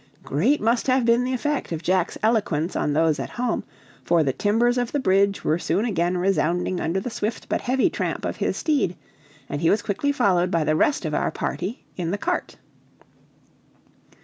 Great must have been the effect of Jack's eloquence on those at home, for the timbers of the bridge were soon again resounding under the swift but heavy tramp of his steed; and he was quickly followed by the rest of our party in the cart.